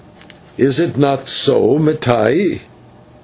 Is it not so, Mattai?"